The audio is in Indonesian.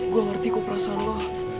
gue ngerti kok perasaan allah